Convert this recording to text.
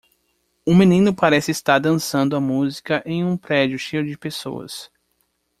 Um menino parece estar dançando a música em um prédio cheio de pessoas.